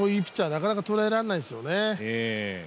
なかなか捉えられないんですよね。